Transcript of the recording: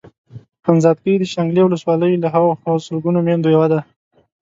خانزادګۍ د شانګلې ولسوالۍ له هغو سلګونو ميندو يوه ده.